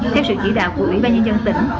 theo sự chỉ đạo của ủy ban nhân dân tỉnh